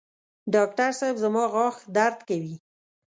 ډاکټر صېب زما غاښ درد کوي